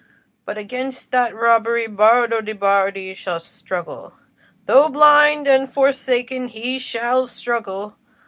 But against that robbery Bardo de' Bardi shall struggle—though blind and forsaken, he shall struggle.